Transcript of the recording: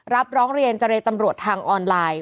ร้องเรียนเจรตำรวจทางออนไลน์